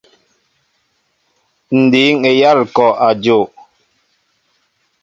Ǹ dǐŋ eyâl ŋ̀kɔ' a jow.